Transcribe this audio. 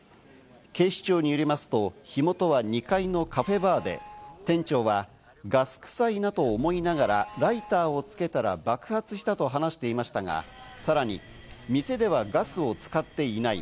警視庁によりますと、火元は２階のカフェバーで、店長はガス臭いなと思いながらライターをつけたら爆発したと話していましたが、さらに店ではガスを使っていない。